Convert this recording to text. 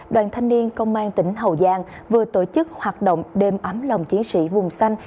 đoàn thanh niên công an tỉnh hậu giang vừa tổ chức hoạt động đêm ấm lòng chiến sĩ vùng xanh